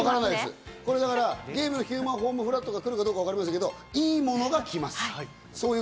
ヒューマンホールフラットが来るかどうかわかりませんけど、いいものが来ます。